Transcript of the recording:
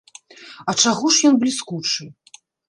А чаго ж ён бліскучы?